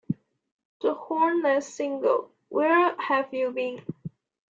The hornless single, Where Have You Been?